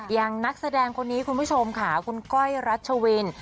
อย่างนักแสดงคนนี้คุณผู้ชมค่ะคุณก้อยรัชวิน